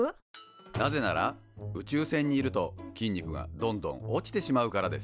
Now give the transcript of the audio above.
なぜなら宇宙船にいると筋肉がどんどん落ちてしまうからです。